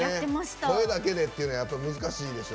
声だけでっていうのはやっぱり難しいでしょ。